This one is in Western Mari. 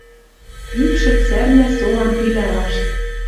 Упшӹц сӓрнӓ солам пилӓ вашт...»